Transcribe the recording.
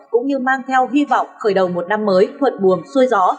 cũng như mang theo hy vọng khởi đầu một năm mới thuận buồm xuôi gió